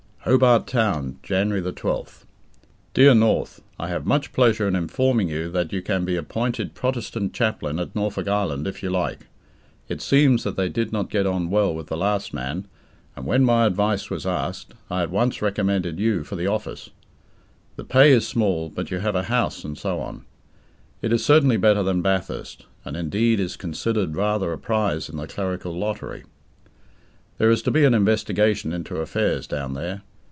HOBART TOWN, Jan. 12th. "DEAR NORTH, I have much pleasure in informing you that you can be appointed Protestant chaplain at Norfolk Island, if you like. It seems that they did not get on well with the last man, and when my advice was asked, I at once recommended you for the office. The pay is small, but you have a house and so on. It is certainly better than Bathurst, and indeed is considered rather a prize in the clerical lottery. "There is to be an investigation into affairs down there.